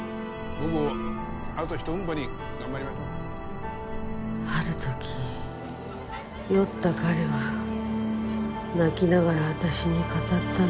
午後あとひと踏ん張りある時酔った彼は泣きながら私に語ったの。